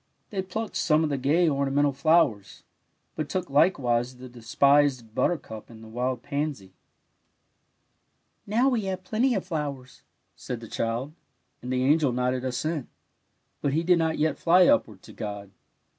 They plucked some of the gay, ornamental flowers, but took likcTsdse the despised buttercup and the wild pansy. THE TRANSPLANTED FLOWER 111 '" Now we have plenty of flowers," said the cliild, and the angel nodded assent; but he did not yet fly upward to God.